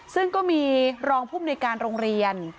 ซึ่งก็มีรองภูมิในการโรงเรียน